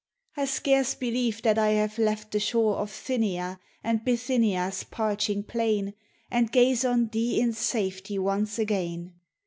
I scarce believe that I have left the shore Of Thynia, and liithynia's parching plain, And gaze on thee in safety once again